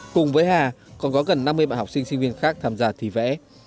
cùng với hà còn có gần năm mươi bạn học sinh sinh viên khác tham gia thi vẽ